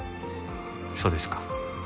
そうですか。